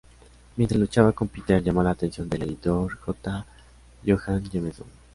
Mientras luchaba con Peter, llamó la atención del editor J. Jonah Jameson.